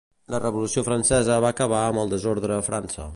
La Revolució francesa va acabar amb el desordre a França.